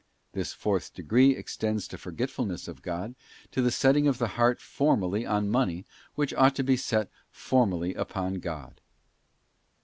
'§ This fourth degree extends to forgetfulness of God, to the setting of the heart formally on money which ought to be set formally upon God; as if * S.